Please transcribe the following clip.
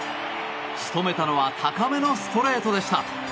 仕留めたのは高めのストレートでした。